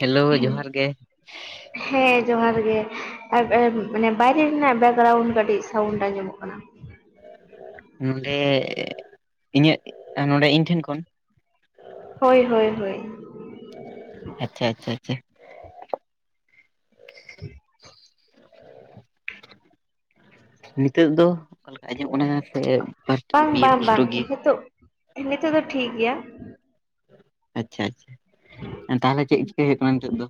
Hello ᱡᱚᱦᱟᱨ ᱜᱮ᱾ ᱦᱮᱸ ᱡᱚᱦᱟᱨ ᱜᱮ, ᱟᱨ ᱮᱸᱜ ᱢᱟᱱᱮ ᱵᱟᱭᱨᱮ ᱨᱮᱱᱟᱜ ᱵᱮᱠᱜᱨᱟᱣᱩᱱᱰ ᱠᱟᱹᱴᱤᱡ ᱥᱟᱣᱩᱱᱰ ᱟᱸᱡᱚᱢᱚᱜ ᱠᱟᱱᱟ᱾ ᱱᱚᱰᱮ ᱤᱧᱟᱹᱜ, ᱱᱚᱰᱮ ᱤᱧ ᱴᱷᱮᱱ ᱠᱷᱚᱱ? ᱦᱳᱭ ᱦᱳᱭ ᱦᱳᱭ᱾ ᱟᱪᱪᱷᱟ ᱟᱪᱪᱷᱟ ᱟᱪᱪᱷᱟ᱾ [inaudible] ᱱᱤᱛᱚᱜ ᱫᱚ ᱚᱠᱟᱞᱮ ᱟᱸᱡᱚᱢᱚᱜ ᱠᱟᱱᱟ ᱥᱮ ᱵᱟᱫ ᱵᱟᱝ ᱫᱤᱭᱮ ᱵᱟᱝ ᱯᱩᱥᱴᱳ ᱵᱟᱝ ᱜᱮ? ᱱᱤᱛᱚᱜ ᱱᱤᱛᱚᱜ ᱫᱚ ᱴᱷᱤᱠ ᱜᱮᱭᱟ ᱟᱪᱪᱷᱟ ᱟᱪᱪᱷᱟ᱾ ᱛᱟᱦᱞᱮ ᱪᱮᱫ ᱪᱤᱠᱟᱹᱭ ᱦᱩᱭᱩᱜ ᱠᱟᱱᱟ ᱱᱤᱛᱚᱜ ᱫᱚ?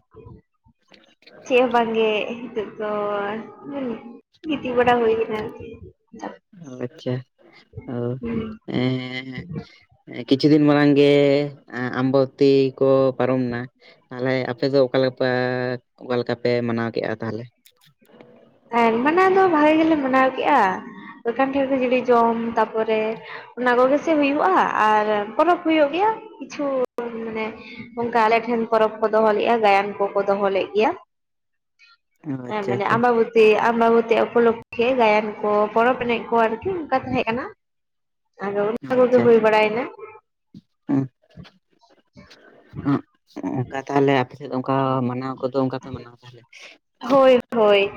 ᱪᱮᱫ ᱦᱚᱸ ᱵᱟᱝᱜᱮ ᱦᱤᱸᱛᱳᱜ ᱫᱚ ᱜᱤᱛᱤᱡ ᱵᱟᱲᱟ ᱦᱩᱭ ᱠᱟᱱᱟ ᱟᱨᱠᱤ᱾ ᱟᱪᱪᱷᱟ, ᱚ᱾ ᱦᱩᱸ ᱮᱸᱻ ᱠᱤᱪᱷᱩ ᱫᱤᱱ ᱢᱟᱲᱟᱝ ᱜᱮ ᱟᱢᱵᱟᱵᱚᱛᱤ ᱠᱚ ᱯᱟᱨᱚᱢᱱᱟ, ᱛᱟᱦᱞᱮ ᱟᱯᱮ ᱫᱚ ᱚᱠᱟ ᱞᱮᱠᱟ ᱯᱮ, ᱚᱠᱟ ᱞᱮᱠᱟ ᱯᱮ ᱢᱟᱱᱟᱣ ᱠᱮᱜ-ᱟ ᱛᱟᱦᱞᱮ? ᱦᱮᱸ, ᱢᱟᱱᱟᱣ ᱫᱚ ᱵᱷᱟᱜᱮ ᱜᱮᱞᱮ ᱢᱟᱱᱟᱣ ᱠᱮᱜ-ᱟ ᱢᱮᱱᱠᱷᱟᱱ ᱫᱚ [unintelligible] ᱡᱚᱢ ᱛᱟᱨᱯᱚᱨᱮ ᱚᱱᱟ ᱠᱚᱜᱮᱥᱮ ᱦᱩᱭᱩᱜ-ᱟ ᱟᱨ ᱯᱚᱨᱚᱵᱽ ᱦᱩᱭᱩᱜ ᱜᱮᱭᱟ ᱠᱤᱪᱷᱩ ᱢᱟᱱᱮ ᱚᱝᱠᱟ ᱟᱞᱮᱴᱷᱮᱱ ᱯᱚᱨᱚᱵᱽ ᱠᱚ ᱫᱚᱦᱚ ᱞᱮᱫᱼᱟ ᱜᱟᱭᱟᱱ ᱠᱚᱠᱚ ᱫᱚᱦᱚ ᱞᱮᱜ ᱜᱮᱭᱟ᱾ ᱚ ᱦᱮᱸ, ᱟᱪᱪᱷᱟ ᱢᱟᱱᱮ ᱟᱪᱪᱷᱟ ᱟᱢᱵᱟᱵᱚᱛ ᱥᱮ ᱟᱢᱟᱵᱚᱛᱤ ᱩᱯᱚᱞᱚᱠᱷᱮ ᱜᱟᱭᱟᱱ ᱠᱚ ᱯᱚᱨᱚᱵᱽ ᱮᱱᱮᱡ ᱠᱚ ᱟᱨᱠᱤ ᱚᱝᱠᱟ ᱛᱟᱦᱮᱸ ᱠᱟᱱᱟ᱾ ᱟᱫᱚ ᱚᱱᱟ ᱠᱚᱜᱮ ᱦᱩᱭ ᱵᱟᱲᱟᱭᱮᱱᱟ᱾ ᱦᱮᱸ [unintelligible] ᱚᱱᱠᱟ ᱛᱟᱦᱞᱮ ᱟᱯᱮ ᱥᱮᱫ ᱚᱝᱠᱟ ᱢᱟᱱᱟᱣ ᱠᱚᱫᱚ ᱚᱝᱠᱟ ᱯᱮ ᱢᱟᱱᱟᱣᱟ ᱛᱟᱦᱞᱮ? ᱦᱳᱭ ᱦᱳᱭ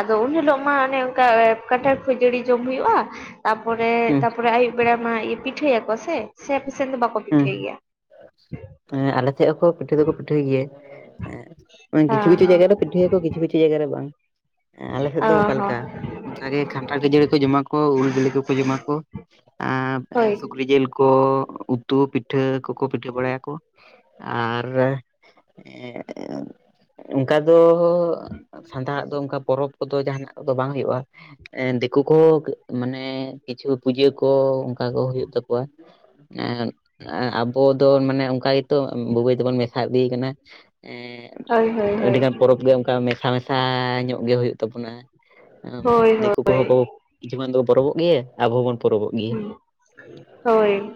ᱟᱫᱚ ᱩᱱ ᱦᱤᱞᱳᱜ ᱢᱟ ᱚᱱᱮ ᱚᱝᱠᱟ ᱠᱟᱸᱴᱷᱟᱲ ᱠᱷᱟᱹᱡᱟᱹᱲᱤ ᱡᱚᱢ ᱦᱩᱭᱩᱜ-ᱟ᱾ ᱛᱟᱯᱚᱨᱮ, ᱦᱩᱸ ᱛᱟᱯᱚᱨᱮ ᱟᱭᱩᱵ ᱵᱮᱲᱟ ᱢᱟ ᱯᱤᱴᱷᱟᱹᱭᱟᱠᱚ ᱥᱮ ᱥᱮ ᱟᱯᱮ ᱥᱮᱱ ᱫᱚ ᱵᱟᱠᱚ ᱦᱩᱸ ᱯᱤᱴᱷᱟᱹᱭ ᱜᱮᱭᱟ᱾ ᱦᱮᱸ ᱟᱞᱮ ᱥᱮᱡ ᱦᱚᱸ ᱠᱚ ᱯᱤᱴᱷᱟᱹ ᱫᱚᱠᱚ ᱯᱤ ᱴᱷᱟᱹᱭᱜᱮᱭᱟ᱾ ᱮᱸᱫ ᱠᱤᱪᱷᱩ ᱦᱮᱸ ᱠᱤᱪᱷᱩ ᱦᱮᱸ ᱡᱟᱭᱜᱟ ᱨᱮ ᱯᱤᱴᱷᱟᱹᱭᱟ ᱠᱚ, ᱠᱤᱪᱷᱩ ᱠᱤᱪᱷᱩ ᱡᱟᱭᱜᱟ ᱨᱮ ᱵᱟᱝ ᱟᱞᱮ ᱥᱮᱫ ᱚ ᱫᱚ ᱚᱠᱟ ᱦᱚᱸ ᱞᱮᱠᱟ? ᱚᱝᱠᱟᱜᱮ ᱠᱷᱟᱱᱴᱷᱟᱲ ᱠᱷᱟᱹᱡᱟᱹᱲᱤ ᱠᱚ ᱡᱚᱢᱟ ᱠᱚ ᱩᱞ ᱵᱤᱞᱤ ᱠᱚᱠᱚ ᱡᱚᱢᱟ ᱠᱚ᱾ ᱮᱸᱻ ᱦᱳᱭ ᱥᱩᱠᱨᱤ ᱡᱤᱞ ᱠᱚ ᱩᱛᱩ ᱯᱤᱴᱷᱟᱹ ᱠᱚᱠᱚ ᱯᱤᱴᱷᱟᱹ ᱵᱟᱲᱟᱭᱟᱠᱚᱺ ᱟᱨ, ᱮᱸ᱾ ᱚᱝᱠᱟ ᱫᱚ ᱥᱟᱱᱛᱟᱲᱟᱜ ᱫᱚ ᱚᱱᱠᱟ ᱯᱚᱨᱚᱵᱽ ᱠᱚᱫᱚ ᱡᱟᱸᱦᱟᱱᱟᱜ ᱠᱚᱫᱚ ᱵᱟᱝ ᱦᱩᱭᱩᱜ-ᱟ᱾ ᱮᱸ ᱫᱤᱠᱩ ᱠᱚ ᱢᱟᱱᱮ ᱠᱤᱪᱷᱩ ᱯᱩᱡᱟᱹ ᱠᱚ ᱚᱝᱠᱟ ᱠᱚ ᱦᱩᱭᱩᱜ ᱛᱟᱠᱚᱣᱟ᱾ ᱟᱸᱻ ᱟᱻ ᱟᱵᱚ ᱟᱵᱚ ᱫᱚ ᱢᱟᱱᱮ ᱚᱝᱠᱟ ᱜᱮᱛᱚ ᱵᱩᱜᱟᱹᱭ ᱫᱚᱵᱚᱱ ᱢᱮᱥᱟ ᱤᱫᱤᱭ ᱠᱟᱱᱟ᱾ ᱮᱸᱻ ᱦᱳᱭ ᱦᱳᱭ ᱦᱳᱭ ᱟᱹᱰᱤᱜᱟᱱ ᱯᱚᱨᱚᱵᱽ ᱜᱮ ᱚᱝᱠᱟ ᱢᱮᱥᱟ ᱢᱮᱥᱟ ᱥᱟ ᱧᱚᱜ ᱜᱮ ᱦᱩᱭᱩᱜ ᱛᱟᱵᱚᱱᱟ ᱦᱳᱭ ᱫᱤᱠᱩ ᱦᱳᱭ ᱠᱚᱦᱚᱸ ᱠᱚ ᱠᱤᱪᱷ ᱢᱟᱱ ᱫᱚᱠᱚ ᱯᱚᱨᱚᱵᱚᱜ ᱜᱮᱭᱟ᱾ ᱟᱵᱚ ᱦᱚᱸᱵᱚᱱ ᱯᱚᱨᱚᱵᱚᱜ ᱜᱮ᱾ ᱦᱳᱭ ᱦᱳᱭ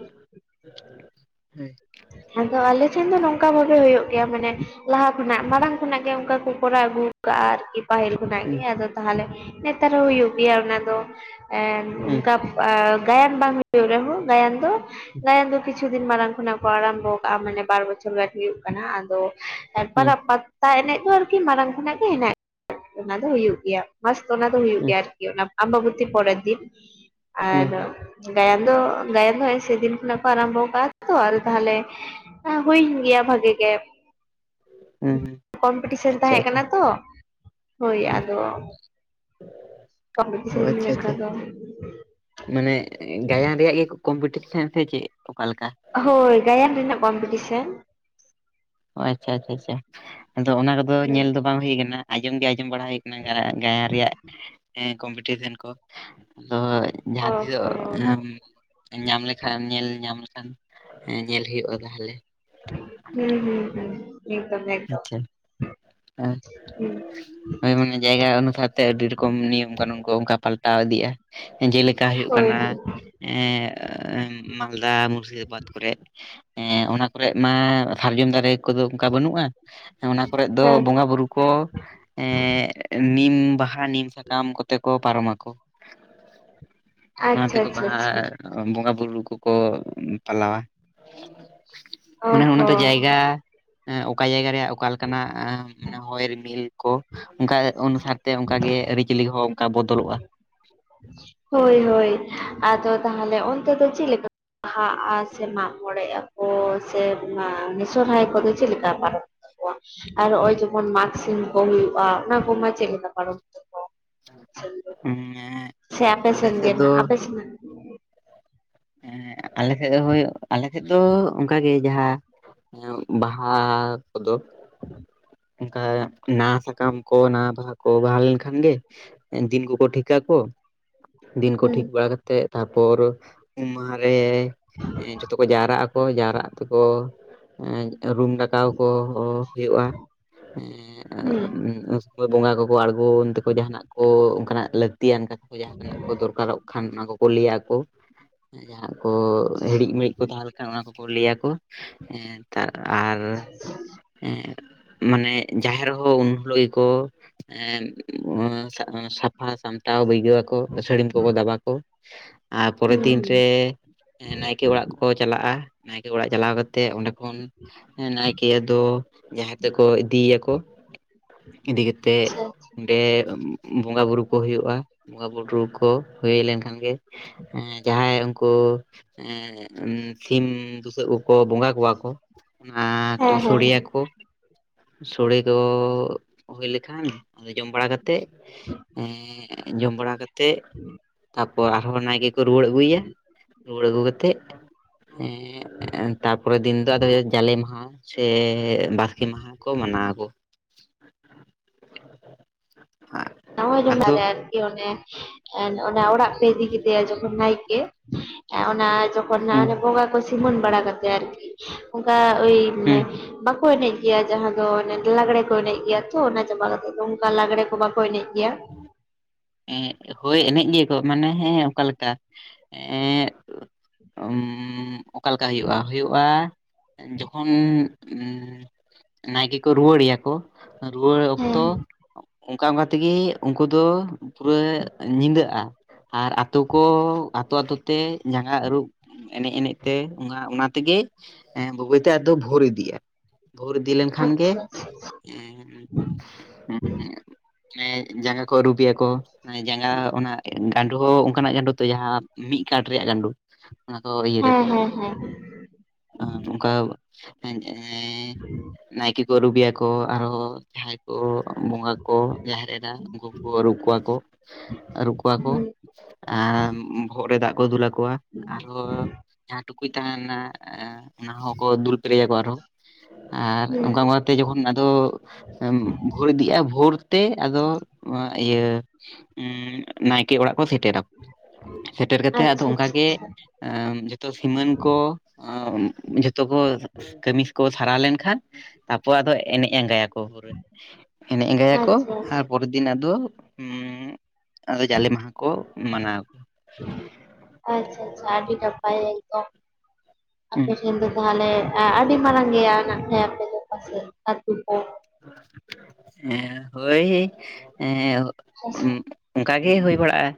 ᱟᱫᱚ ᱟᱞᱮᱴᱷᱮᱱ ᱫᱚ ᱱᱚᱝᱠᱟ ᱵᱷᱟᱵᱮ ᱦᱩᱭᱩᱜᱳ ᱜᱮᱭᱟ ᱢᱟᱱᱮ ᱞᱟᱦᱟ ᱠᱷᱚᱱᱟᱜ ᱢᱟᱲᱟᱝ ᱠᱷᱚᱱᱟᱜ ᱜᱮ ᱚᱝᱠᱟ ᱠᱚ ᱠᱚᱨᱟᱣ ᱟᱹᱜᱩ ᱠᱟᱜ-ᱟ ᱟᱨᱠᱤ ᱯᱟᱹᱦᱤᱞ ᱠᱷᱚᱱᱟᱜ ᱦᱩᱸ ᱜᱮ ᱟᱫᱚ ᱛᱟᱦᱞᱮ ᱱᱮᱛᱟᱨ ᱦᱚᱸ ᱦᱩᱭᱩᱜ ᱜᱮᱭᱟ ᱚᱱᱟ ᱫᱚ᱾ ᱮᱱ ᱦᱩᱸ ᱚᱝᱠᱟ ᱟᱸᱻ ᱜᱟᱭᱟᱱ ᱵᱟᱝ ᱦᱩᱭᱩᱜ ᱨᱮᱦᱚᱸ ᱜᱟᱭᱟᱱ ᱫᱚ ᱜᱟᱭᱟᱱ ᱫᱤᱠ ᱠᱤᱪᱷᱩ ᱫᱤᱱ ᱢᱟᱲᱟᱝ ᱠᱷᱚᱱᱟᱜ ᱠᱚ ᱟᱨᱟᱢᱵᱷᱚ ᱠᱟᱜᱼᱟ ᱢᱟᱱᱮ ᱵᱟᱨ ᱵᱚᱪᱷᱚᱨ ᱜᱟᱱ ᱦᱩᱭᱩᱜ ᱠᱟᱱᱟ ᱟᱫᱚ ᱮᱨᱯᱚᱨ ᱦᱩᱸ ᱟᱛ ᱥᱟᱲᱯᱟ‌ ᱮᱱᱮᱡ ᱫᱚ ᱟᱨᱠᱤ ᱢᱟᱨᱟᱝ ᱠᱷᱚᱱᱟᱜ ᱜᱮ ᱦᱮᱱᱟᱜ ᱜᱮ ᱚᱱᱟ ᱫᱚ ᱦᱩᱭᱩᱜ ᱜᱮᱭᱟ᱾ ᱢᱟᱥ ᱚᱱᱟ ᱫᱚ ᱦᱩᱭᱩᱜ ᱦᱩᱸ ᱜᱮᱭᱟ ᱟᱨᱠᱤ ᱚᱱᱟ ᱟᱢᱵᱟᱵᱚᱛᱤ ᱯᱚᱨᱮᱨ ᱫᱤᱱ᱾ ᱦᱩᱸ ᱦᱩᱸ ᱟᱨ ᱜᱟᱭᱟᱱ ᱫᱚ, ᱜᱟᱭᱟᱱ ᱫᱚ ᱥᱮᱫᱤᱱ ᱦᱮᱸᱜ-ᱮ ᱠᱷᱚᱱᱟᱜ ᱠᱚ ᱟᱨᱟᱢᱵᱚ ᱟᱠᱟᱜ-ᱟ ᱛᱚ ᱛᱟᱦᱞᱮ ᱦᱩᱭᱮᱱ ᱜᱮᱭᱟ ᱵᱷᱟᱜᱤ ᱜᱮ᱾ ᱦᱩᱸ ᱦᱩᱸ ᱠᱚᱢᱯᱤᱴᱤᱥᱮᱱ ᱟᱪᱪᱷᱟ ᱛᱟᱦᱮᱸ ᱟᱪᱪᱷᱟ ᱠᱟᱱᱟ ᱛᱚ ᱦᱳᱭ ᱟᱫᱚ ᱚ ᱠᱚᱢᱯᱤᱞᱤᱥᱮᱱ ᱟᱪᱪᱷᱟ ᱞᱮᱠᱟ ᱟᱪᱪᱷᱟ ᱫᱚ᱾ ᱢᱟᱱᱮ ᱜᱟᱭᱟᱱ ᱨᱮᱭᱟᱜ ᱜᱮ ᱠᱚᱢᱯᱤᱴᱤᱥᱮᱱ ᱥᱮ ᱪᱮᱜ ᱚᱠᱟᱞᱮᱠᱟ ᱦᱳᱭ ᱜᱟᱭᱟᱱ ᱨᱮᱱᱟᱜ ᱠᱚᱢᱯᱤᱴᱤᱥᱮᱱ ᱾ ᱚ ᱟᱪᱪᱷᱟ ᱟᱪᱪᱷᱟ ᱟᱪᱪᱷᱟ ᱟᱫᱚ ᱚᱱᱟ ᱠᱚᱫᱚ ᱦᱳᱭ ᱧᱮᱞ ᱫᱚ ᱵᱟᱝ ᱦᱩᱭ ᱟᱠᱟᱱᱟ ᱾ ᱟᱸᱡᱚᱢ ᱜᱮ ᱟᱸᱡᱚᱢ ᱵᱟᱲᱟ ᱦᱩᱭ ᱠᱟᱱᱟ ᱜᱟᱭᱟᱱ ᱨᱮᱭᱟᱜ ᱠᱚᱢᱯᱤᱴᱤᱥᱮᱱ ᱠᱚ ᱟᱫᱚ ᱚ ᱡᱟᱦᱟᱸ ᱛᱤᱥᱚᱜ ᱦᱚᱸ ᱡᱟᱦᱟᱢ ᱧᱟᱢ ᱞᱮᱠᱷᱟᱱ ᱧᱮᱞ ᱧᱟᱢ ᱞᱮ ᱟᱸᱽ ᱧᱮᱞ ᱦᱩᱭᱩᱜᱼᱟ ᱛᱟᱦᱚᱞᱮ ᱾ ᱦᱮᱸ ᱦᱩᱸ ᱦᱩᱸ ᱮᱠᱫᱚᱢ ᱾ ᱟᱪᱪᱷᱟ ᱟᱨ, ᱦᱩᱸ ᱦᱳᱭ ᱢᱟᱱᱮ ᱡᱟᱭᱜᱟ ᱚᱱᱩᱥᱟᱨ ᱛᱮ ᱟᱹᱰᱤ ᱨᱚᱠᱚᱢ ᱱᱤᱭᱚᱢ ᱠᱟᱹᱱᱩᱱ ᱠᱚ ᱚᱱᱠᱟ ᱯᱟᱞᱴᱟᱣ ᱤᱫᱤᱜᱼᱟ ᱾ ᱡᱮᱞᱮᱠᱟ ᱦᱩᱭᱩᱜ ᱦᱳᱭ ᱦᱳᱭ ᱠᱟᱱᱟ ᱮ ᱢᱟᱞᱫᱟ ᱢᱩᱨᱥᱤᱫᱟᱵᱟᱫ ᱠᱚᱨᱮᱜ, ᱚᱱᱟ ᱠᱚᱨᱮᱜ ᱢᱟ ᱥᱟᱨᱡᱚᱢ ᱫᱟᱨᱮ ᱠᱚᱫᱚ ᱚᱱᱠᱟ ᱵᱟᱹᱱᱩᱜᱼᱟ ᱚᱱᱟ ᱠᱚᱨᱮ ᱫᱚ ᱦᱮᱸ ᱵᱚᱸᱜᱟ ᱵᱩᱨᱩ ᱠᱚ ᱮᱸᱜ ᱱᱤᱢ ᱵᱟᱦᱟ ᱱᱤᱢ ᱥᱟᱠᱟᱢ ᱠᱚᱛᱮ ᱠᱚ ᱯᱟᱨᱚᱢ ᱟᱠᱚ ᱾ ᱚᱱᱟ ᱟᱪᱪᱷᱟ ᱛᱮᱠᱚ ᱟᱪᱪᱷᱟ ᱵᱟᱦᱟ ᱟᱪᱪᱷᱟ ᱵᱚᱸᱜᱟᱼᱵᱩᱨᱩ ᱠᱚᱠᱚ ᱯᱟᱞᱟᱣᱟ ᱾ ᱚ ᱢᱟᱱᱮ ᱚᱱᱟ ᱫᱚ ᱦᱚᱸ ᱡᱟᱭᱜᱟ ᱚᱠᱟ ᱡᱟᱭᱜᱟ ᱨᱮᱭᱟᱜ ᱚᱠᱟᱞᱮᱠᱟᱱᱟᱜ ᱢᱟᱱᱮ ᱦᱚᱭ ᱨᱤᱢᱤᱞ ᱠᱚ ᱚᱱᱠᱟ ᱚᱱᱩᱥᱟᱨ ᱛᱮ ᱚᱱᱠᱟᱜ ᱜᱮ ᱟᱹᱨᱤᱪᱟᱹᱞᱤ ᱦᱚᱸ ᱚᱱᱠᱟ ᱵᱚᱫᱚᱞᱚᱜᱼᱟ ᱾ ᱦᱳᱭ ᱦᱳᱭ ᱟᱫᱚ ᱛᱟᱦᱚᱞᱮ ᱚᱱᱛᱮ ᱫᱚ ᱪᱮᱜᱞᱮᱠᱟ ᱵᱟᱦᱟᱜᱼᱟ ᱥᱮ ᱢᱟᱸᱜ ᱢᱚᱬᱮᱜ ᱟᱠᱚ ᱥᱮ ᱥᱚᱨᱦᱟᱭ ᱠᱚᱫᱚ ᱪᱮᱜᱞᱮᱠᱟ ᱯᱟᱨᱚᱢᱚᱜ? ᱟᱨ ᱱᱚᱜᱭ ᱡᱮᱢᱚᱱ ᱢᱟᱜᱽ ᱥᱤᱢ ᱠᱚ ᱦᱩᱭᱩᱜᱼᱟ ᱚᱱᱟ ᱠᱚᱢᱟ ᱪᱮᱜ ᱞᱮᱠᱟ ᱯᱟᱨᱚᱢ ᱛᱟᱠᱚᱣᱟ? ᱩᱸ ᱮᱸᱻ ᱾ ᱥᱮ ᱟᱯᱮᱥᱮᱱ ᱜᱮ ᱟᱯᱮᱥᱮᱱ ᱦᱮᱸ ᱟᱞᱮ ᱥᱮᱡ ᱦᱳᱭ ᱟᱞᱮ ᱥᱮᱫ ᱫᱚ ᱚᱱᱠᱟ ᱜᱮ ᱾ ᱡᱟᱦᱟᱸ ᱵᱟᱦᱟ ᱠᱚᱫᱚ, ᱚᱱᱠᱟ ᱱᱟᱣᱟ ᱥᱟᱠᱟᱢ ᱠᱚ ᱱᱟᱣᱟ ᱵᱟᱦᱟ ᱠᱚ, ᱠᱚ ᱵᱟᱦᱟ ᱞᱮᱱᱠᱷᱟᱱ ᱜᱮ ᱫᱤᱱ ᱠᱚᱠᱚ ᱴᱷᱤᱠᱟᱠᱚ ᱫᱤᱱ ᱠᱚ ᱴᱷᱤᱠ ᱦᱩᱸ ᱵᱟᱲᱟ ᱠᱟᱛᱮᱫ, ᱛᱟᱨᱯᱚᱨ ᱩᱢ ᱢᱟᱦᱟ ᱨᱮ ᱡᱷᱚᱛᱚ ᱠᱚ ᱡᱟᱣᱨᱟᱜ ᱟᱠᱚ ᱡᱟᱣᱨᱟᱜ ᱛᱮᱠᱚ ᱨᱩᱢ ᱫᱟᱠᱟᱣ ᱠᱚ ᱦᱩᱭᱩᱜᱼᱟ, ᱦᱩᱸ ᱮᱸ ᱟᱨ ᱵᱚᱸᱜᱟ ᱠᱚᱠᱚ ᱟᱬᱜᱳᱱ ᱛᱮᱠᱚ ᱡᱟᱦᱟᱱᱟᱜ ᱠᱚ ᱚᱱᱠᱟᱱᱟᱜ ᱞᱟᱹᱠᱛᱤ ᱛᱤᱭᱟᱱ ᱠᱟᱛᱷᱟ ᱠᱚ ᱡᱟᱦᱟᱸᱱᱟᱜ ᱠᱚ ᱫᱚᱨᱠᱟᱨᱚᱜ ᱠᱷᱟᱱ ᱚᱱᱟ ᱠᱚᱠᱚ ᱞᱟᱹᱭᱟᱠᱚ, ᱡᱟᱦᱟᱸ ᱠᱚ ᱦᱤᱲᱤᱡ ᱢᱤᱲᱤᱡ ᱠᱚ ᱛᱟᱦᱮᱸᱞᱮᱠᱷᱟᱱ ᱚᱱᱟ ᱠᱚᱠᱚ ᱞᱟᱹᱭᱟᱠᱚ, ᱟᱨ ᱢᱟᱱᱮ ᱡᱟᱦᱮᱨ ᱦᱚᱸ ᱩᱱ ᱦᱤᱞᱳᱜ ᱜᱮᱠᱚ ᱥᱟᱯᱷᱟ ᱥᱟᱢᱴᱟᱣ ᱵᱟᱹᱭᱜᱟᱹᱣ ᱟᱠᱚ ᱥᱟᱹᱲᱤᱢ ᱠᱚᱠᱚ ᱫᱟᱵᱟ ᱠᱚ᱾ ᱟᱨ ᱯᱚᱨᱮᱨ ᱦᱩᱸ ᱫᱤᱱᱨᱮ ᱦᱩᱸ ᱱᱟᱭᱠᱮ ᱚᱲᱟᱜ ᱠᱚᱠᱚ ᱪᱟᱞᱟᱜ-ᱟ ᱱᱟᱭᱠᱮ ᱚᱲᱟᱜ ᱪᱟᱞᱟᱣ ᱠᱟᱛᱮᱜ ᱚᱸᱰᱮ ᱠᱷᱚᱱ ᱦᱮᱸ ᱱᱟᱭᱠᱮ ᱟᱫᱚ ᱡᱟᱸᱦᱮᱨ ᱛᱮᱠᱚ ᱤᱫᱤᱭᱮᱭᱟᱠᱚ ᱤᱫᱤ ᱠᱟᱛᱮᱜ ᱟᱪᱪᱷᱟ ᱟᱪᱪᱷᱟ ᱚᱸᱰᱮ ᱵᱚᱸᱜᱟ ᱵᱩᱨᱩ ᱠᱚ ᱦᱩᱭᱩᱜ-ᱟ ᱵᱚᱸᱜᱟ ᱵᱩᱨᱩ ᱠᱚ ᱦᱩᱭ ᱞᱮᱱᱠᱷᱟᱱ ᱜᱮ ᱡᱟᱦᱟᱸᱭ ᱩᱱᱠᱩ ᱮ ᱥᱤᱢ ᱵᱩᱥᱟᱹᱜ ᱠᱚᱠᱚ ᱵᱚᱸᱜᱟ ᱠᱚᱣᱟ ᱠᱚ ᱚᱱᱟ ᱠᱚ ᱦᱮᱸ ᱦᱮᱸ ᱥᱳᱲᱮᱭᱟᱠᱚ ᱥᱚᱲᱮ ᱫᱚ ᱦᱩᱭ ᱞᱮᱠᱷᱟᱱ ᱟᱫᱚ ᱡᱚᱢ ᱵᱟᱲᱟ ᱠᱟᱛᱮᱜ ᱮ ᱡᱚᱢ ᱵᱟᱲᱟ ᱠᱟ ᱛᱮᱜ ᱛᱟᱯᱚᱨ ᱟᱨᱦᱚᱸ ᱱᱟᱭᱠᱮᱠᱚ ᱨᱩᱣᱟᱹᱲ ᱟᱹᱜᱩᱭ ᱭᱟ ᱨᱩᱣᱟᱹᱲ ᱟᱹᱜᱩ ᱠᱟᱛᱮᱜ ᱮ ᱛᱟᱨᱯᱚᱨᱮ ᱫᱤᱱ ᱫᱚ ᱟᱫᱚ ᱡᱟᱞᱮ ᱢᱟᱦᱟ ᱥᱮ ᱵᱟᱥᱠᱮ ᱢᱟᱦᱟ ᱠᱚ ᱢᱟᱱᱟᱣᱟ ᱠᱚ᱾ [unintelligible] ᱚᱱᱮ ᱟᱫᱚ ᱚᱲᱟᱜ ᱯᱮ ᱤᱫᱤ ᱠᱮᱫᱮᱭᱟ ᱡᱚᱠᱷᱚᱱ ᱱᱟᱭᱠᱮ ᱚᱱᱟ ᱡᱚ ᱠᱷᱚᱱ ᱦᱮᱸ ᱚᱱᱟ ᱵᱚᱸᱜᱟ ᱠᱚ ᱥᱤᱢᱟᱹᱱ ᱵᱟᱲᱟ ᱠᱟᱛᱮᱜ ᱟᱨᱠᱤ ᱚᱱᱠᱟ ᱳᱭ ᱵᱟᱠᱚ ᱮᱱᱮᱡ ᱜᱮᱭᱟ ᱡᱟᱦᱟᱸ ᱫᱚ ᱞᱟᱜᱽᱲᱮ ᱠᱚ ᱮᱱᱮᱡ ᱜᱮᱭᱟ ᱛᱚ ᱚᱱᱟ ᱪᱟᱵᱟ ᱠᱟᱛᱮ ᱫᱚ ᱚᱱᱠᱟ ᱞᱟᱜᱽᱲᱮ ᱠᱚ ᱵᱟᱝ ᱠᱚ ᱮᱱᱮᱡ ᱜᱮᱭᱟ᱾ ᱦᱳᱭ ᱮᱱᱮᱡ ᱜᱮᱭᱟᱠᱚ ᱢᱟᱱᱮ, ᱦᱮᱸ ᱚᱠᱟᱞᱮᱠᱟ ᱮᱸ ᱩᱢ ᱚᱠᱟᱞᱮᱠᱟ ᱦᱩᱭᱩᱜ-ᱟ ᱦᱩᱭᱩᱜ? ᱵᱟ ᱡᱚᱠᱷᱚᱱ ᱱᱟᱭᱠᱮ ᱠᱚ ᱨᱩᱣᱟᱹᱲᱮᱭᱟ ᱠᱚ ᱨᱩᱣᱟᱹᱲ ᱚᱠᱛᱚ ᱦᱮᱸ ᱦᱮᱸ ᱚᱱᱠᱟ ᱚᱱᱠᱟ ᱛᱮᱜᱮ ᱩᱱᱠᱩ ᱫᱚ, ᱯᱩᱨᱟᱹ ᱧᱤᱫᱟᱹᱜ-ᱟ ᱟᱨ ᱟᱛᱳ ᱠᱚ ᱟᱛᱳ ᱟᱛᱳ ᱛᱮ ᱡᱟᱸᱜᱟ ᱟᱹᱨᱩᱵᱽ ᱮᱱᱮᱡ ᱮᱱᱮᱡ ᱛᱮ ᱚᱱᱟ ᱚᱱᱟ ᱛᱮᱜᱮ ᱵᱟᱹᱭ ᱵᱟᱹᱭ ᱛᱮ ᱟᱫᱚ ᱵᱷᱳᱨ ᱤᱫᱤᱜ-ᱟ᱾ ᱵᱷᱳᱨ ᱤᱫᱤ ᱞᱮᱱ ᱠᱷᱟᱱ ᱜᱮ ᱟᱪᱪᱷᱟ ᱦᱮᱢ ᱡᱟᱸᱜᱟ ᱠᱚ ᱟᱨᱩᱵᱭᱟ ᱠᱚ ᱡᱟᱸᱜᱟ ᱚᱱᱟ ᱜᱟᱸᱰᱳ ᱦᱚᱸ ᱚᱱᱠᱟᱱᱟᱜ ᱜᱟᱸᱰᱳ ᱛᱮ ᱡᱟᱦᱟᱸ ᱢᱤᱫ ᱠᱟᱴ ᱨᱮᱭᱟᱜ ᱜᱟᱸᱰᱳ᱾ ᱚᱱᱟ ᱠᱚ ᱤᱭᱟᱹ ᱟᱪᱪᱷᱟ ᱫᱟᱠᱚ ᱦᱮᱸ ᱦᱮᱸ ᱦᱮᱸ ᱟᱨ ᱚᱱᱠᱟ᱾ ᱦᱮᱢ ᱱᱟᱭᱠᱮ ᱠᱚ ᱟᱨᱩᱵᱤᱭᱟ ᱠᱚ ᱟᱨᱦᱚᱸ ᱡᱟᱦᱟᱸᱭ ᱵᱚᱸᱜᱟ ᱠᱚ ᱡᱟᱦᱮᱨ ᱮᱨᱟ ᱩᱱᱠᱩ ᱠᱚᱠᱚ ᱟᱹᱨᱩ ᱠᱚᱣᱟ ᱠᱚ᱾ ᱟᱨᱩᱵ ᱠᱚᱣᱟ ᱠᱚ ᱦᱩᱸ ᱟᱨ ᱵᱚᱦᱚᱜ ᱨᱮ ᱫᱟᱜ ᱠᱚ ᱫᱩᱞ ᱟᱠᱚᱣᱟ ᱟᱨᱦᱚᱸᱼᱼ ᱡᱟᱦᱟᱸ ᱴᱩᱠᱩᱡ ᱛᱟᱦᱮᱱᱟ ᱚᱱᱟ ᱦᱚᱸᱠᱚ ᱫᱩᱞ ᱯᱮᱨᱮᱭᱟᱠᱚ ᱟᱨᱦᱚᱸ᱾ ᱟᱨ ᱦᱩᱸ ᱚᱱᱠᱟ ᱚᱱᱠᱟ ᱛᱮ ᱡᱚᱠᱷᱚᱱ ᱟᱫᱚ ᱵᱷᱳᱨ ᱤᱫᱤᱜ-ᱟ ᱵᱷᱳᱨ ᱛᱮ ᱟᱫᱚ ᱤᱭᱟᱹ ᱱᱟᱭᱠᱮ ᱚᱲᱟᱜ ᱠᱚ ᱥᱮᱴᱮᱨᱟ ᱥᱮᱴᱮᱨ ᱠᱟᱛᱮ ᱟᱫᱚ ᱟᱪᱪᱷᱟ ᱚᱱᱠᱟ ᱟᱪᱪᱷᱟ ᱜᱮ ᱟᱪᱪᱷᱟ ᱡᱚᱛᱚ ᱥᱤᱢᱟᱹᱱ ᱠᱚ ᱡᱚᱛᱚ ᱠᱚ ᱠᱟᱹᱢᱤ ᱠᱚ ᱯᱷᱟᱨᱟ ᱞᱮᱱ ᱠᱷᱟᱱ ᱛᱟᱨᱯᱚᱨ ᱟᱫᱚ ᱮᱱᱮᱡ ᱟᱸᱜᱟᱭᱟᱠᱚ ᱯᱩᱨᱟᱹ ᱮᱱᱮᱡ ᱟᱸᱜᱟᱭᱟᱠᱚ ᱟᱪᱪᱷᱟ ᱟᱪᱪᱷᱟ ᱟᱨ ᱯᱚᱨᱮᱨ ᱫᱤᱱ ᱟᱫᱚᱼᱼ ᱟᱫᱚ ᱡᱟᱞᱮ ᱢᱟᱦᱟ ᱠᱚ ᱢᱟᱱᱟᱣ ᱠᱚ ᱟᱪᱪᱷᱟ ᱟᱪᱪᱷᱟ ᱟᱹᱰᱤ ᱱᱟᱯᱟᱭ ᱮᱠᱫᱚᱢ ᱦᱩᱸ ᱟᱯᱮ ᱴᱷᱮᱱ ᱫᱚ ᱛᱟᱦᱚᱞᱮ ᱟᱹᱰᱤ ᱢᱟᱨᱟᱝ ᱜᱮᱭᱟ ᱱᱟᱜ ᱠᱷᱟᱡ ᱟᱯᱮ ᱫᱚ ᱯᱟᱥᱮᱫ ᱟᱹᱛᱩ ᱠᱚ? ᱦᱮᱸ ᱦᱳᱭ ᱦᱮᱸ ᱚᱱᱠᱟᱜᱮ ᱦᱩᱭ ᱵᱟᱲᱟᱜ-ᱟ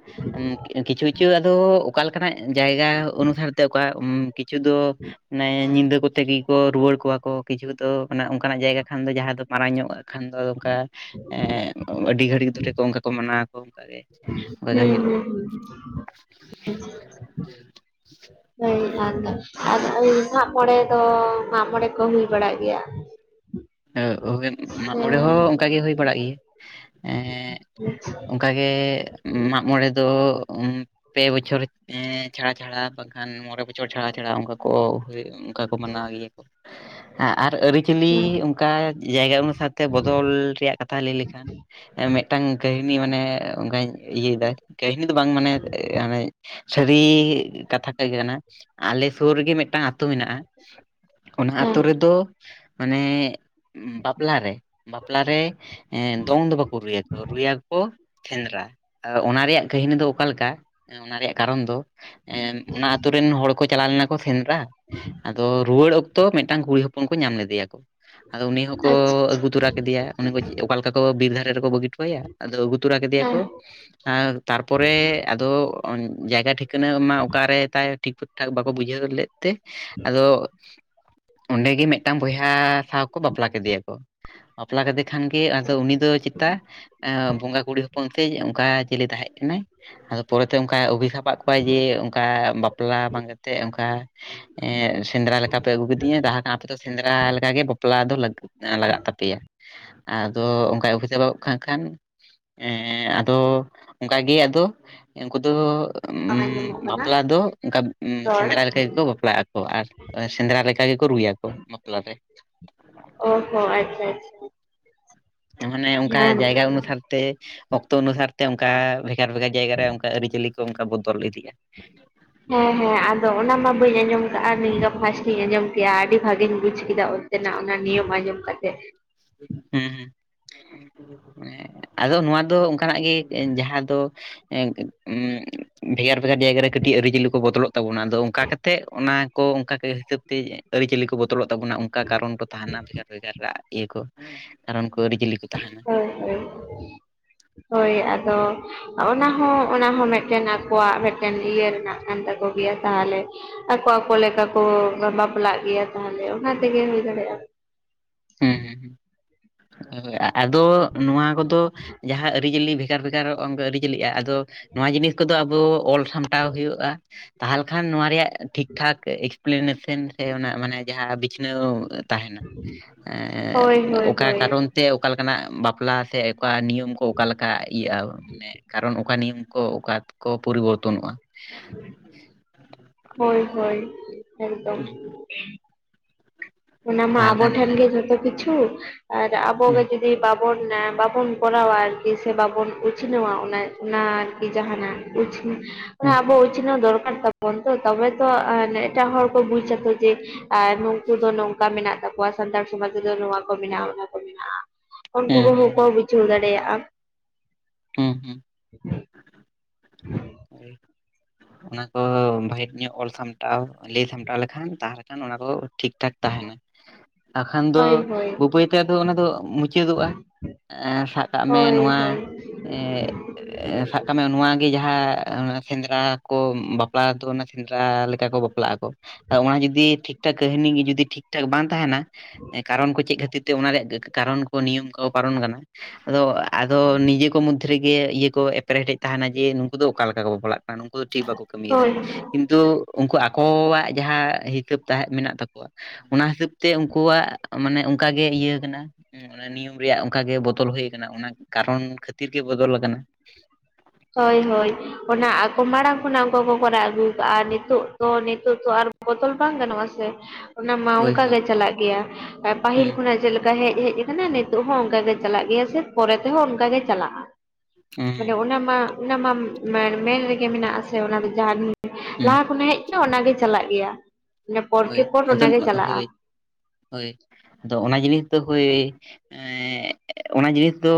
ᱠᱤᱪᱷᱩ ᱠᱤᱪᱷᱩ ᱟᱫᱚᱼᱼ ᱚᱠᱟ ᱞᱮᱠᱟᱱᱟᱜ ᱡᱟᱭᱜᱟ ᱚᱱᱩᱥᱟᱨ ᱛᱮ ᱚᱠᱟ ᱠᱤᱪᱷᱩ ᱫᱚ ᱢᱟᱱᱮ ᱧᱤᱫᱟᱹ ᱠᱚᱼᱼ ᱛᱮᱜᱮ ᱠᱚ ᱨᱩᱣᱟᱹᱲ ᱠᱚᱣᱟ ᱠᱚ ᱠᱤᱪᱷᱩ ᱫᱚ ᱟᱱᱮ ᱚᱱᱠᱟᱱᱟᱜ ᱡᱟᱭᱜᱟ ᱠᱷᱟᱱ ᱫᱚ ᱡᱟᱦᱟᱸ ᱫᱚᱼᱼ ᱢᱟᱨᱟᱝ ᱧᱚᱜ-ᱟᱜ ᱠᱷᱟᱱ ᱫᱚ ᱚᱱᱠᱟ ᱟᱹᱰᱤ ᱜᱷᱟᱹᱲᱤᱡ ᱫᱷᱚᱨᱮ ᱠᱚ ᱚᱱᱠᱟ ᱠᱚ ᱢᱟᱱᱟᱣᱟᱠᱚ ᱚᱱᱠᱟ ᱜᱮ ᱚᱱᱠᱟ ᱜᱮ ᱦᱩᱸ ᱦᱩᱭᱩᱜᱼᱟ ᱦᱩᱸ ᱦᱩᱸ ᱦᱳᱭ ᱟᱫᱚ ᱟᱫᱚ ᱢᱟᱜᱢᱚᱬᱮ ᱫᱚ ᱢᱟᱜ ᱢᱚᱬᱮ ᱠᱚ ᱦᱩᱭ ᱵᱟᱲᱟᱜ ᱜᱮᱭᱟ᱾ ᱳ ᱢᱟᱜᱢᱚᱬᱮ ᱦᱮᱸ ᱦᱚᱸ ᱚᱱᱠᱟᱜ ᱜᱮ ᱦᱩᱭ ᱵᱟᱲᱟᱜ ᱜᱮᱭᱟ ᱮᱸᱼᱼ ᱚᱱᱠᱟ ᱜᱮ ᱢᱟᱜᱢᱚᱬᱮ ᱫᱚᱼᱼ ᱯᱮ ᱵᱚᱪᱷᱚᱨ ᱮᱸ ᱪᱷᱟᱲᱟ ᱪᱷᱟᱲᱟ ᱵᱟᱝᱠᱷᱟᱱ ᱢᱚᱬᱮ ᱵᱚᱪᱷᱚᱨ ᱪᱷᱟᱲᱟ ᱪᱷᱟᱲᱟ ᱚᱱᱠᱟᱼᱼ ᱠᱚ ᱚᱱᱠᱟ ᱠᱚ ᱢᱟᱱᱟᱣ ᱜᱮᱭᱟ ᱠᱚ ᱦᱮᱸ ᱟᱨ ᱟᱹᱨᱤᱪᱟᱹᱞᱤ ᱚᱱᱠᱟ ᱡᱟᱭᱜᱟ ᱚᱱᱩ ᱥᱟᱨᱛᱮ ᱵᱚᱫᱚᱞ ᱨᱮᱭᱟᱜ ᱠᱟᱛᱷᱟ ᱞᱟᱹᱭ ᱞᱮᱠᱷᱟᱱ, ᱢᱤᱫᱴᱟᱝ ᱠᱟᱹᱦᱱᱤ ᱢᱟᱱᱮ ᱚᱱᱠᱟᱧ ᱤᱭᱟᱹᱭᱮᱫᱟ ᱠᱟᱹᱦᱱᱤ ᱫᱚ ᱵᱟᱝ ᱢᱟᱱᱮ ᱢᱟᱱᱮ ᱥᱟᱹᱨᱤ ᱠᱟᱛᱷᱟ ᱠᱚ ᱜᱮ ᱠᱟᱱᱟ ᱟᱞᱮ ᱥᱩᱨ ᱨᱮᱜᱮ ᱢᱤᱫᱴᱟᱝ ᱟᱹᱛᱩ ᱟᱛᱳ ᱢᱮᱱᱟᱜ ᱟ ᱚᱱᱟ ᱦᱮᱸ ᱦᱮᱸ ᱟᱹᱛᱳ ᱨᱮᱫᱚ ᱢᱟᱱᱮ, ᱵᱟᱯᱞᱟ ᱨᱮ ᱵᱟᱯᱞᱟ ᱨᱮ ᱮ ᱫᱚᱝ ᱫᱚ ᱵᱟᱠᱚ ᱨᱩᱭᱟᱠᱚ ᱨᱩᱭᱟᱠᱚ, ᱥᱮᱸᱫᱽᱨᱟ ᱟᱨ ᱚᱱᱟ ᱨᱮᱭᱟᱜ ᱠᱟᱹᱦᱱᱤ ᱫᱚ ᱚᱠᱟᱞᱮᱠᱟ ᱚᱱᱟ ᱨᱮᱭᱟᱜ ᱠᱟᱨᱚᱱ ᱫᱚ, ᱮᱱ ᱚᱱᱟ ᱟᱹᱛᱳ ᱨᱮᱱ ᱦᱚᱲ ᱠᱚ ᱪᱟᱞᱟᱣ ᱞᱮᱱᱟ, ᱠᱚ ᱥᱮᱸᱫᱽᱨᱟ ᱟᱫᱚ ᱨᱩᱣᱟᱹᱲ ᱚᱠᱛᱚ ᱢᱤᱫᱴᱟᱝ ᱠᱩᱲᱤ ᱦᱚᱯ, ᱚᱱ ᱠᱚ ᱧᱟᱢ ᱞᱮᱫᱮᱭᱟ ᱠᱚ, ᱟᱫᱚ ᱩᱱᱤ ᱦᱚᱸᱠᱚ ᱟᱪᱪᱷᱟ ᱟᱹᱜᱩ ᱟᱪᱪᱷᱟ ᱛᱚᱨᱟ ᱠᱮᱫᱮᱭᱟ ᱩᱱᱤ ᱚᱠᱟ ᱞᱮᱠᱟ ᱠᱚ ᱵᱤᱨ ᱫᱷᱟᱨᱮ ᱨᱮᱠᱚ ᱵᱟᱹᱜᱤ ᱟᱫ ᱟᱹᱜᱩ ᱛᱚᱨᱟ ᱠᱮᱫᱮᱭᱟ ᱦᱮᱸ ᱠᱚ ᱟᱨ ᱛᱟᱨᱯᱚᱨᱮ ᱟᱫᱚ ᱡᱟᱭᱜᱟ ᱴᱷᱤᱠ ᱠᱟᱹᱱᱟᱹ ᱢᱟ ᱚᱠᱟᱨᱮ ᱛᱟᱭ ᱴᱷᱤᱠ ᱴᱷᱟᱠ ᱵᱟᱠᱚ ᱵᱩᱡᱷᱟᱹᱣ ᱞᱮᱫ ᱛᱮ ᱟᱫᱚ, ᱚᱸᱰᱮ ᱜᱮ ᱢᱤᱫᱴᱟᱝ ᱵᱚᱭᱦᱟ ᱥᱟᱶ ᱠᱚ ᱵᱟᱯᱞᱟ ᱠᱮᱫᱮᱭᱟ ᱠᱚ, ᱵᱟᱯᱞᱟ ᱠᱟᱮ ᱠᱷᱟᱱ ᱜᱮ ᱟᱫᱚ ᱩᱱᱤ ᱫᱚ ᱪᱮᱛᱟ ᱮ ᱵᱚᱸᱜᱟ ᱠᱩᱲᱤ ᱦᱚᱯ ᱚᱱᱛᱮ ᱡᱮ ᱚᱝᱠᱟ ᱪᱤᱞᱤ ᱛᱟᱦᱮᱸᱜ ᱠᱟᱱᱟᱭ, ᱟᱫᱚ ᱯᱚᱨᱮᱛᱮ ᱚᱝᱠᱟ ᱚᱵᱤᱥᱟᱵᱽ ᱠᱟᱜ ᱠᱚᱣᱟᱭ ᱡᱮ ᱚᱝᱠᱟ ᱵᱟᱯᱞᱟ ᱵᱟᱝ ᱠᱟᱛᱮᱜ ᱚᱝᱠᱟ ᱮᱸᱜ ᱥᱮᱸᱫᱽᱨᱟ ᱞᱮᱠᱟ ᱯᱮ ᱟᱹᱜᱩ ᱠᱤᱫᱤᱧᱟ ᱡᱟᱦᱟᱸᱛᱟᱦᱟᱸ ᱟᱯᱮ ᱫᱚ ᱥᱮᱸᱫᱽᱨᱟ ᱞᱮᱠ ᱜᱮ ᱵᱟᱯᱞᱟ ᱫᱚ ᱞᱟᱹᱠᱛᱤ ᱞᱟᱜᱟᱜ ᱛᱟᱯᱮᱭᱟ, ᱟᱫᱚ ᱚᱱᱠᱟᱭ ᱚᱵᱤᱥᱟᱵᱚᱜ ᱠᱟᱜ ᱠᱷᱟᱱ ᱮᱸ ᱟᱫᱚ ᱚᱝᱠᱟ ᱜᱤ ᱟᱫᱚ ᱩᱱᱠᱩ ᱫᱚ [unintelligible] ᱵᱟᱯᱞᱟ ᱫᱚ ᱚᱝᱠᱟ ᱨᱚᱲ ᱥᱮᱸᱫᱽᱨᱟ ᱞᱮᱠᱟ ᱜᱮᱠᱚ ᱵᱟᱯᱞᱟᱜ ᱟᱠᱚ ᱟᱨ, ᱥᱮᱸᱫᱽᱨᱟ ᱞᱮᱠᱟ ᱜᱮᱠᱚ ᱨᱩᱭᱟᱠᱚ ᱵᱟᱯᱞᱟ ᱨᱮ᱾ ᱚ ᱦᱚ, ᱟᱪᱪᱷᱟ ᱟᱪᱪᱷᱟ᱾ ᱢᱟᱱᱮ ᱚᱱᱠᱟ ᱦᱮᱸ ᱡᱟᱭᱜᱟ ᱚᱱᱩᱥᱟᱨ ᱛᱮ ᱚᱠᱛᱚ ᱚᱱᱩᱥᱟᱨ ᱛᱮ ᱚᱱᱠᱟ ᱵᱷᱮᱜᱟᱨ ᱵᱷᱮᱜᱟᱨ ᱡᱟᱭᱜᱟ ᱨᱮ ᱚᱱᱠᱟ ᱟᱹᱨᱤ ᱪᱟᱹᱞᱤ ᱠᱚ ᱚᱱᱠᱟ ᱵᱚᱫᱚᱞ ᱤᱫᱤᱜᱼᱟ᱾ ᱦᱮᱸ ᱦᱮᱸ ᱟᱫᱚ ᱚᱱᱟ ᱢᱟ ᱵᱟᱹᱧ ᱟᱸᱡᱚᱢ ᱠᱟᱜᱼᱟ ᱱᱤᱭᱟᱹ ᱫᱚ ᱯᱷᱟᱥᱴ ᱤᱧ ᱟᱸᱡᱚᱢ ᱠᱮᱼᱟ ᱟᱹᱰᱤ ᱵᱷᱟᱜᱤᱧ ᱵᱩᱡ ᱠᱮᱫᱟ᱾ ᱛᱮᱱᱟᱜ ᱚᱱᱟ ᱱᱤᱭᱚᱢ ᱟᱸᱡᱚᱢ ᱠᱟᱛᱮ᱾ ᱦᱩᱸ, ᱮᱸ ᱟᱫᱚ ᱱᱚᱣᱟ ᱫᱚ ᱚᱱᱠᱟᱱᱟᱜ ᱜᱮ ᱡᱟᱦᱟᱸ ᱫᱚ ᱮᱸ ᱵᱷᱮᱜᱟᱨ ᱵᱷᱮᱜᱟᱨ ᱡᱟᱭᱜᱟ ᱨᱮ ᱠᱟᱹᱴᱤᱡ ᱟᱹᱨᱤᱪᱟᱹᱞᱤ ᱠᱚ ᱵᱚᱫᱚᱞᱚᱜ ᱛᱟᱵᱚᱱᱟ ᱟᱫᱚ ᱚᱝᱠᱟ ᱠᱟᱛᱮ ᱚᱱᱟ ᱠᱚ ᱚᱝᱠᱟ ᱦᱤᱥᱟᱹᱵ ᱛᱮ ᱟᱹᱨᱤᱪᱟᱹᱞᱤ ᱠᱚ ᱵᱚᱫᱚᱞᱚᱜ ᱛᱟᱵᱱᱟ ᱚᱱᱠᱟ ᱠᱟᱨᱚᱱ ᱠᱚ ᱛᱟᱦᱮᱱᱟ ᱵᱷᱮᱜᱟᱨ ᱵᱷᱮᱜᱟᱨ ᱨᱟᱜ ᱤᱭᱟᱹ ᱠᱚ ᱠᱟᱨᱚᱱ ᱠᱚ, ᱟᱹᱨᱤᱪᱟᱹᱞᱤ ᱠᱚ᱾ ᱛᱟᱦᱮᱱᱟ ᱦᱳᱭ ᱦᱳᱭ᱾ [unintelligible] ᱦᱳᱭ ᱟᱫᱚ ᱚᱱᱟ ᱦᱚᱸ ᱚᱱᱟ ᱦᱚᱸ ᱢᱮᱜᱴᱮᱱ ᱟᱠᱚᱣᱟᱜ ᱢᱮᱜᱴᱮᱱ ᱤᱭᱟᱹ ᱨᱮᱱᱟᱜ ᱠᱟᱱ ᱛᱟᱠᱚ ᱜᱮᱭᱟ ᱛᱟᱦᱚᱞᱮ, ᱟᱠᱚ ᱟᱠᱚ ᱞᱮᱠᱟ ᱠᱚ ᱵᱟᱯᱞᱟᱜ ᱜᱮᱭᱟ, ᱛᱟᱦᱟᱞᱮ ᱚᱱᱟ ᱛᱮᱜᱮ ᱦᱳᱭ ᱫᱟᱲᱮᱭᱟᱜᱼᱟ᱾ [unintelligible] ᱦᱚᱭ ᱟᱫᱚ ᱱᱚᱣᱟ ᱠᱚᱫᱚ ᱡᱟᱦᱟᱸ ᱟᱹᱨᱤᱪᱟᱹᱞᱤ ᱵᱷᱮᱜᱟᱨ ᱵᱷᱮᱜᱟᱨ ᱟᱹᱨᱤᱪᱟᱹᱞᱤᱜᱼᱟ ᱫᱚ ᱱᱚᱣᱟ ᱡᱤᱱᱤᱥ ᱠᱚᱫᱚ ᱟᱵᱚ ᱚᱞ ᱥᱟᱢᱴᱟᱣ ᱦᱩᱭᱩᱜᱼᱟ, ᱛᱟᱦᱟᱞᱮ ᱠᱷᱟᱱ ᱱᱚᱣᱟ ᱨᱮᱭᱟᱜ ᱴᱷᱤᱠ ᱴᱷᱟᱠ ᱮᱠᱥᱯᱤᱞᱤᱱᱮᱥᱮᱱ ᱥᱮ ᱚᱱᱟ ᱢᱟᱱᱮ ᱡᱟᱦᱟᱸ ᱵᱤᱪᱷᱱᱟᱹᱣ ᱛᱟᱦᱮᱱᱟ᱾ ᱮᱸᱻᱻ ᱦᱳᱭ ᱦᱳᱭ ᱚᱠᱟ ᱦᱳᱭ ᱠᱟᱨᱚᱱ ᱪᱮ ᱚᱠᱟ ᱞᱮᱠᱟᱱᱟᱜ ᱵᱟᱯᱞᱟ ᱥᱮ ᱚᱠᱟ ᱱᱤᱭᱚᱢ ᱠᱚ ᱚᱠᱟ ᱞᱮᱠᱟ ᱤᱭᱟᱹᱜᱼᱟ, ᱠᱟᱨᱚᱱ ᱚᱠᱟ ᱱᱤᱭᱚᱢ ᱠᱚ ᱚᱠᱟ ᱠᱚ ᱯᱚᱨᱤᱵᱚᱨᱛᱚᱱᱚᱜᱼᱟ᱾ ᱦᱳᱭ ᱦᱳᱭ ᱮᱠᱫᱚᱢ᱾ ᱦᱩᱸ, ᱚᱱᱟ ᱢᱟ ᱛᱟᱦᱚᱞᱮ ᱟᱵᱚ ᱠᱷᱟᱱ ᱴᱷᱮᱱ ᱜᱮ ᱡᱷᱚᱛᱚ ᱠᱤᱪᱷᱩ ᱟᱨ ᱟᱵᱚ ᱦᱩᱸ ᱜᱮ ᱡᱩᱫ ᱥᱮ ᱵᱟᱵᱚᱱ ᱵᱟᱵᱚᱱ ᱠᱚᱨᱟᱣᱟ ᱟᱨᱠᱤ ᱥᱮ ᱵᱟᱵᱚᱱ ᱩᱪᱷᱱᱟᱹᱣᱟ ᱚᱱᱟ ᱚᱱᱟ ᱟᱨᱠᱤ ᱡᱟᱦᱟᱱᱟᱜ ᱩᱪᱷ ᱚᱱᱟ ᱦᱩᱸ ᱟᱵᱚ ᱩᱪᱷᱱᱟ ᱫᱚᱨᱠᱟᱨ ᱛᱟᱵ ᱚᱱ ᱛᱚ ᱛᱚᱵᱮ ᱛᱚ ᱮᱴᱟᱜ ᱦᱚᱲ ᱠᱚ ᱵᱩᱡ ᱟᱠᱚ ᱡᱮ ᱟᱨ ᱱᱩᱠᱩ ᱫᱚ ᱱᱚᱝ ᱚᱱᱠᱟ ᱢᱮᱱᱟᱜ ᱛᱟᱠᱚᱣᱟ ᱥᱟᱱᱛᱟᱲ ᱥᱚᱢᱟᱡᱽ ᱨᱮᱫᱚ ᱱᱚᱣᱟ ᱠᱚ ᱢᱮᱱᱟᱜᱼᱟ ᱚᱱᱟ ᱠᱚ ᱢᱮᱱᱟᱜᱼᱟ ᱩᱱᱠᱩ ᱦᱩᱸ ᱦᱩᱸ ᱠᱚᱦᱚᱸ ᱠᱚ ᱦᱩᱸ ᱵᱩᱡ [unintelligible] ᱫᱟᱲᱮᱭᱟᱜᱼᱟᱢ ᱦᱩᱸ ᱦᱩᱸ᱾ [unintelligible] [unintelligible] ᱦᱳᱭ [unintelligible] ᱚᱱᱟ ᱠᱚ ᱵᱷᱟᱜᱮ ᱧᱚᱜ ᱚᱞ ᱥᱟᱢᱴᱟᱣ ᱞᱟᱹᱭ ᱥᱟᱢᱴᱟᱣ ᱞᱮᱠᱷᱟᱱ ᱛᱟᱦᱚᱞᱮ ᱠᱷᱟᱱ ᱚᱱᱟ ᱠᱚ ᱴᱷᱤᱠ ᱴᱷᱟᱠ ᱛᱟᱦᱮᱱᱟ ᱵᱟᱠᱷᱟᱱ ᱫᱚ ᱦᱳᱭ ᱦᱳᱭ ᱵᱟᱹᱵ. ᱭ ᱛᱮ ᱚᱱᱟ ᱫᱚ ᱢᱩᱪᱟᱹᱫᱚᱜᱼᱟ᱾ ᱟ ᱥᱟᱵ ᱠᱟᱜ ᱢᱮ ᱦᱳᱭ ᱱᱚᱣᱟ ᱦᱳᱭ ᱥᱟᱵ ᱠᱟᱜ ᱢᱮ ᱱᱚᱣᱟᱜ ᱜᱮ ᱡᱟᱦᱟᱸ ᱥᱮᱸᱫᱽᱨᱟ ᱠᱚ ᱵᱟᱯᱞᱟ ᱫᱚ ᱥᱮᱸᱫᱽᱨᱟ ᱞᱮᱠᱟ ᱠᱚ ᱵᱟᱯᱞᱟᱜ ᱟᱠᱚ ᱚᱱᱟ ᱦᱚᱸ ᱡᱩᱫᱤ ᱴᱷᱤᱠ ᱴᱷᱟᱠ ᱠᱟᱹᱦᱱᱤ ᱜᱮ ᱡᱩᱫᱤ ᱴᱷᱤᱠ ᱴᱷᱟᱠ ᱵᱟᱝ ᱛᱟᱦᱮᱸᱱᱟ ᱠᱟᱨᱚᱱ ᱠᱚ ᱪᱮᱫ ᱠᱷᱟᱹᱛᱤᱨ ᱛᱮ ᱚᱱᱟ ᱨᱮᱭᱟᱜ ᱠᱟᱨᱚᱱ ᱠᱚ ᱱᱤᱭᱚᱢ ᱠᱚ ᱯᱟᱨᱚᱱ ᱠᱟᱱᱟ᱾ ᱟᱫᱚ ᱟᱫᱚ ᱱᱤᱡᱮ ᱠᱚ ᱢᱚᱫᱽᱫᱷᱮ ᱨᱮᱜᱮ ᱤᱭᱟᱹ ᱠᱚ ᱮᱯᱮᱨᱦᱮᱴᱰᱮᱡ ᱛᱟᱦᱮᱸᱱᱟ ᱡᱮ ᱫᱚ ᱚᱠᱟ ᱞᱮᱠᱟ ᱠᱚ ᱵᱟᱯᱞᱟᱜ ᱠᱟᱱᱟ ᱩᱱᱠᱩ ᱫᱚ ᱴᱷᱤᱠ ᱵᱟᱠᱚ ᱠᱟᱹᱢᱤ ᱫᱟ, ᱦᱳᱭ ᱠᱤᱱᱛᱩ ᱩᱱᱠᱩ ᱟᱠᱚᱣᱟᱜ ᱡᱟᱦᱟᱸ ᱦᱤᱥᱟᱹᱵ ᱛᱟᱦᱮᱸᱫ ᱢᱮᱱᱟᱜ ᱛᱟᱠᱚᱣᱟ ᱚᱱᱟ ᱦᱤᱥᱟᱹᱵ ᱛᱮ ᱩᱱᱠᱩᱣᱟᱜ ᱢᱟᱱᱮ ᱚᱱᱠᱟᱜᱮ ᱤᱭᱟᱹ ᱠᱟᱱᱟ᱾ ᱚᱱᱟ ᱱᱤᱭᱚᱢ ᱨᱮᱭᱟᱜ ᱚᱱᱠᱟ ᱜᱮ ᱵᱚᱫᱚᱞ ᱦᱳᱭ ᱠᱟᱱᱟ ᱚᱱᱟ ᱠᱟᱨᱚᱱ ᱠᱷᱟᱹᱛᱤᱨ ᱜᱮ ᱵᱚᱫᱚᱞ ᱞᱟᱠᱟᱱᱟ ᱦᱳᱭ ᱦᱳᱭ ᱚᱱᱟ ᱟᱠᱚ ᱢᱟᱲᱟᱝ ᱠᱷᱚᱱᱟᱜ ᱚᱱᱠᱟ ᱠᱚ ᱠᱚᱨᱟᱣ ᱟᱹᱜᱩ ᱠᱟᱜ-ᱟ ᱱᱤᱛᱚᱜ ᱛᱚ ᱱᱤᱛᱚᱜ ᱛᱚ ᱟᱨ ᱵᱚᱫᱚᱞ ᱵᱟᱝ ᱜᱟᱱᱚᱜ-ᱟ ᱥᱮ ᱚᱱᱟ ᱢᱟ ᱦᱳᱭ ᱚᱱᱠᱟ ᱦᱳᱭ ᱜᱮ ᱪᱟᱞᱟᱜ ᱜᱮᱭᱟ ᱮ ᱯᱟᱹᱦᱤᱞ ᱦᱩᱸ ᱠᱷᱚᱱᱟᱜ ᱡᱮᱞᱮᱠ ᱠᱟ ᱦᱮᱡ ᱦᱮᱡ ᱠᱟᱱᱟ ᱱᱤᱛᱚᱜ ᱦᱚ ᱚᱱᱠᱟᱜᱮ ᱪᱟᱞᱟᱜ ᱜᱮᱭᱟ ᱥᱮ ᱯᱚᱨᱮ ᱛᱮᱦᱚ ᱚᱱᱠᱟᱜ ᱜᱮ ᱪᱟᱞᱟᱜ-ᱟ᱾ ᱢᱟᱱᱮ ᱦᱩᱸ ᱚᱱᱟ ᱢᱟ ᱚᱱᱟ ᱢᱟ ᱢᱮᱱ ᱢᱮᱱ ᱨᱮᱜᱮ ᱢᱮᱱᱟᱜ ᱟᱥᱮ ᱚᱱᱟ ᱫᱚ ᱡᱟᱦᱟᱸ ᱜᱤ ᱦᱩᱸ ᱞᱟᱦᱟ ᱠᱷᱚᱱᱟᱜ ᱦᱮᱡ ᱠᱟᱱᱟ ᱚᱱᱟᱜᱮ ᱪᱟᱞᱟᱜ ᱜᱮᱭᱟ ᱢᱟᱱᱮ ᱯᱚᱨ ᱦᱳᱭ ᱠᱮ ᱯᱚᱨ ᱟᱫᱚ ᱚᱱᱟᱜᱮ ᱪᱟᱞᱟᱜ-ᱟ᱾ ᱦᱳᱭ ᱦᱳᱭ ᱫᱚ ᱚᱱᱟ ᱡᱤᱱᱤᱥ ᱫᱚ ᱦᱳᱭ ᱮᱻ ᱚᱱᱟ ᱡᱤᱱᱤᱥ ᱫᱚ